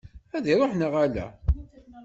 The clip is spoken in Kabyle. Ad iruḥ neɣ ala?